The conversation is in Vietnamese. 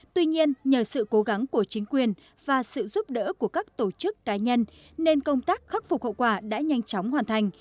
tuy nhiên nhờ sự cố gắng của chính quyền và sự giúp đỡ của các tổ chức cá nhân nên công tác khắc phục hậu quả đã nhanh chóng hoàn thành